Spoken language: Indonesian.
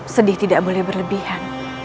sedih tidak boleh berlebihan